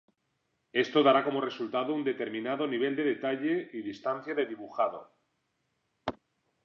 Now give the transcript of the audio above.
Esto dará como resultado un determinado nivel de detalle y distancia de dibujado.